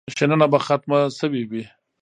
شننه به ختمه شوې وي.